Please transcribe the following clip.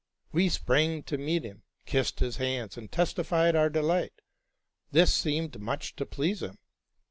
We sprang to meet him, kissed his hands, and testified our delight. This seemed much to please him.